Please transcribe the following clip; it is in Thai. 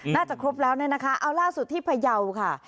น่าจะครบแล้วเนี่ยนะคะเอาล่าสุดที่พยาวค่ะ